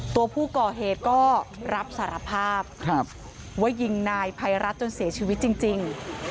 ตัวผู้ก่อเหตุก็รับสารภาพว่ายิงนายภัยรัฐจนเสียชีวิตจริง